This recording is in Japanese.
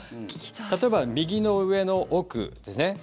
例えば、右の上の奥ですね。